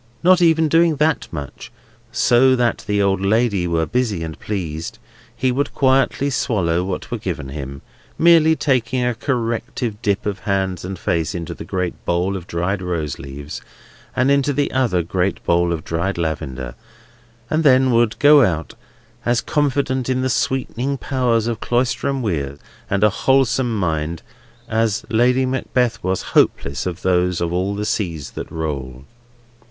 Not even doing that much, so that the old lady were busy and pleased, he would quietly swallow what was given him, merely taking a corrective dip of hands and face into the great bowl of dried rose leaves, and into the other great bowl of dried lavender, and then would go out, as confident in the sweetening powers of Cloisterham Weir and a wholesome mind, as Lady Macbeth was hopeless of those of all the seas that roll.